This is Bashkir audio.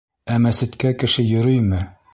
— Ә мәсеткә кеше йөрөймө?